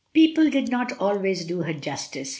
People did not always do her justice.